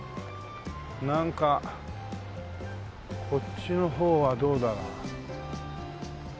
なんかこっちの方はどうだ？